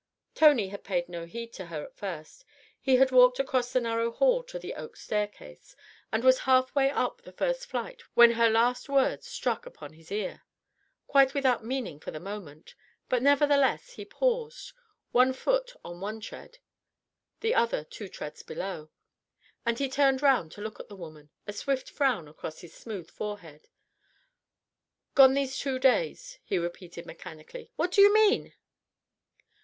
Tony had paid no heed to her at first; he had walked across the narrow hall to the oak staircase, and was half way up the first flight when her last words struck upon his ear ... quite without meaning for the moment ... but nevertheless he paused, one foot on one tread, and the other two treads below ... and he turned round to look at the woman, a swift frown across his smooth forehead. "Gone these two days," he repeated mechanically; "what do you mean?"